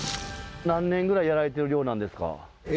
何年ぐらいやられてる漁なんですか？